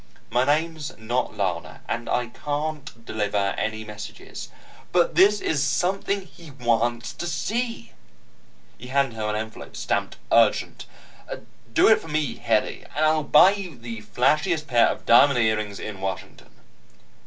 "My name's not Lana, and I can't deliver any messages." "But this is something he wants to see." He handed her an envelope, stamped URGENT. "Do it for me, Hedy. And I'll buy you the flashiest pair of diamond earrings in Washington."